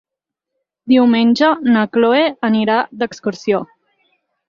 Diumenge na Chloé anirà d'excursió.